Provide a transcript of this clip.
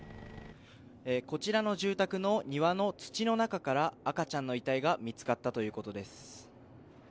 こちらの住宅の庭の土の中から赤ちゃんの遺体が見つかったということです。